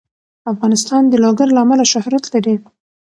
افغانستان د لوگر له امله شهرت لري.